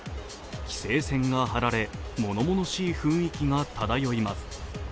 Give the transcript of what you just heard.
規制線が張られものものしい雰囲気が漂います。